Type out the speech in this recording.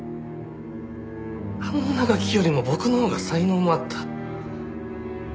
あんなガキよりも僕のほうが才能もあった。